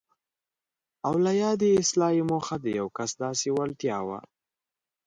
او له یادې اصطلاح یې موخه د یو کس داسې وړتیا وه.